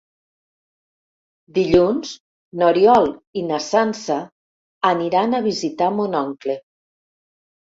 Dilluns n'Oriol i na Sança aniran a visitar mon oncle.